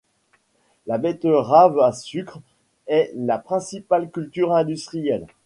La betterave à sucre est la principale culture industrielle.